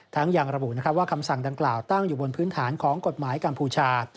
ยังระบุว่าคำสั่งดังกล่าวตั้งอยู่บนพื้นฐานของกฎหมายกัมพูชา